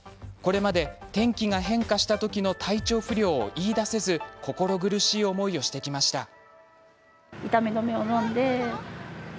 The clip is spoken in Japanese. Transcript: これまで、天気が変化したときの体調不良を言いだせず心苦しい思いをしてきました。